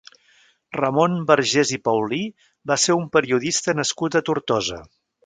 Ramon Vergés i Paulí va ser un periodista nascut a Tortosa.